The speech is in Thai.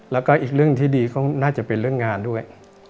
แล้วก็อีกเรื่องที่ดีก็น่าจะเป็นเรื่องงานด้วย